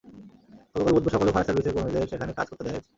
গতকাল বুধবার সকালেও ফায়ার সার্ভিসের কর্মীদের সেখানে কাজ করতে দেখা গেছে।